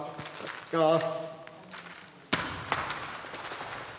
いきます。